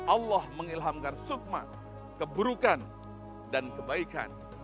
allah mengilhamkan sukma keburukan dan kebaikan